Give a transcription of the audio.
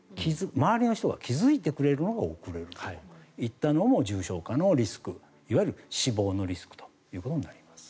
周りの人が気付いてくれるのが遅れるというのも重症化のリスクいわゆる死亡のリスクとなります。